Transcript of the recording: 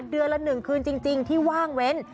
เดือนละ๑คืนจริงที่ว่างเว้น